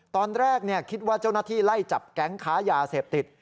ตอนแรกคิดว่าเจ้าหน้าที่ไล่จับแก๊งค้ายาเสพติด